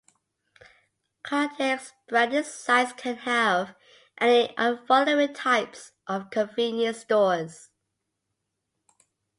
Caltex branded sites can have any of the following types of convenience stores.